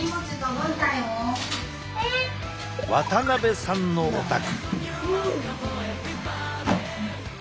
渡邉さんのお宅。